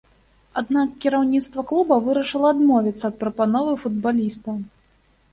Аднак кіраўніцтва клуба вырашыла адмовіцца ад прапановы футбаліста.